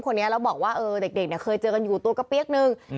คนนี้แล้วบอกว่าเออเด็กเนี่ยเคยเจอกันอยู่ตัวกระเปี๊ยกนึง